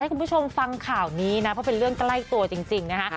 คุณผู้ชมฟังข่าวนี้นะเพราะเป็นเรื่องใกล้ตัวจริงนะคะ